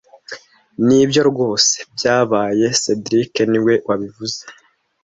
Nibyo rwose byabaye cedric niwe wabivuze